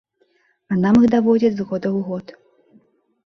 А нам іх даводзяць з года ў год.